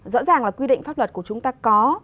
rõ ràng là quy định pháp luật của chúng ta có